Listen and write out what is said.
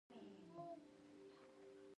وروسته بې عزته کېږي.